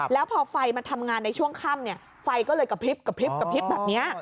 แล้วพอไฟมาทำงานในช่วงข้ำไฟก็เลยกระพริบแบบนี้